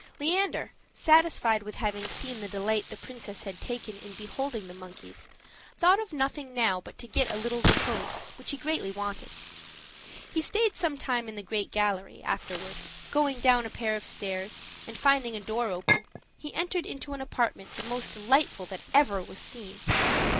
Leander, satisfied with having seen the delight the princess had taken in beholding the monkeys, thought of nothing now but to get a little repose, which he greatly wanted. He stayed sometime in the great gallery; afterward, going down a pair of stairs, and finding a door open, he entered into an apartment the most delightful that ever was seen.